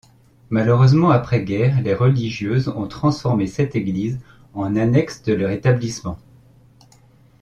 Malheureusement après-guerre les religieuses ont transformé cette église en annexe de leur établissement.